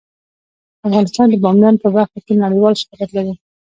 افغانستان د بامیان په برخه کې نړیوال شهرت لري.